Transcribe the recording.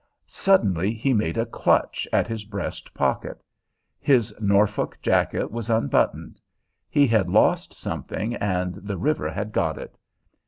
Suddenly he made a clutch at his breast pocket: his Norfolk jacket was unbuttoned. He had lost something, and the river had got it.